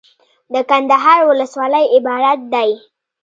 دکندهار ولسوالۍ عبارت دي.